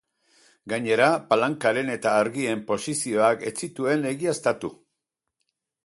Gainera, palankaren eta argien posizioak ez zituen egiaztatu.